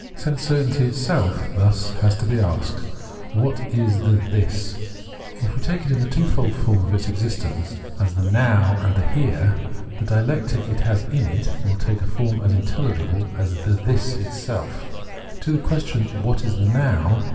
Sense certainty itself has thus to be asked: What is the This ? If we take it in the two fold form of its exist ence, as the Now and as the Here, the dialectic it has in it will take a form as intelhgible as the This itself. To the question. What is the Now